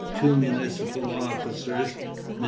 Two municipal officers, MM.